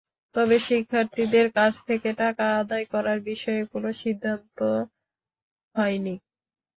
তবে শিক্ষার্থীদের কাছ থেকে টাকা আদায় করার বিষয়ে কোনো সিদ্ধান্ত হয়নি।